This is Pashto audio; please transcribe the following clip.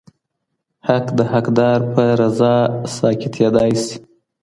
حق د حقدار په رضا ساقطيدلای سي.